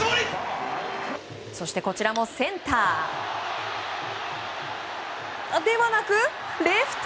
こちらもセンターではなくレフト！